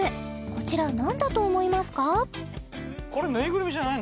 こちら何だと思いますか？